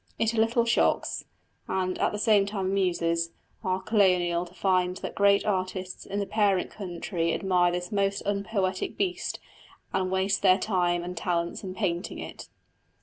It a little shocks, and at the same time amuses, our Colonial to find that great artists in the parent country admire this most unpoetic beast, and waste their time and talents in painting it.